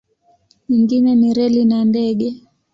Nyingine ni reli na ndege.